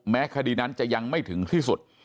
คดีนั้นจะยังไม่ถึงที่สุด